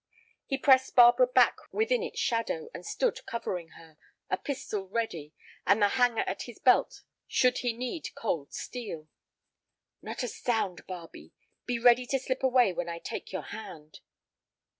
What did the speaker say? He pressed Barbara back within its shadow, and stood covering her, a pistol ready and the hanger at his belt should he need cold steel. "Not a sound, Barbe; be ready to slip away when I take your hand."